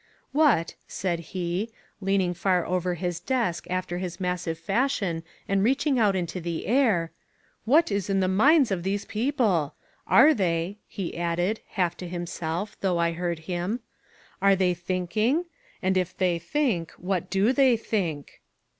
"What," said he, leaning far over his desk after his massive fashion and reaching out into the air, "what is in the minds of these people? Are they," he added, half to himself, though I heard him, "are they thinking? And, if they think, what do they think?"